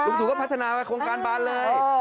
ลุงตุ๋ก็พัฒนาไว้โครงการบานเลย